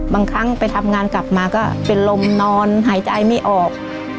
บางครั้งไปทำงานกลับมาก็เป็นลมนอนหายใจไม่ออก